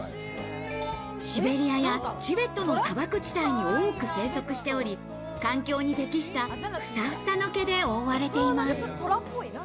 シベリアやチベットの砂漠地帯に多く生息しており、環境に適したフサフサの毛で覆われています。